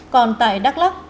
còn tại đắk lắk